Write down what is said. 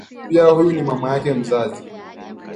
pia huyu ni mama yake mzazi